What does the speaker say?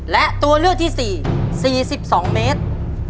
และตัวเลือกที่๔๔๒เมตร